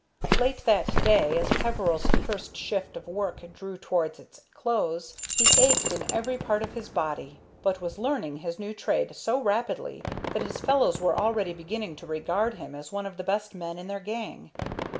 Late that day, as Peveril's first shift of work drew towards its close, he ached in every part of his body, but was learning his new trade so rapidly that his fellows were already beginning to regard him as one of the best men in their gang.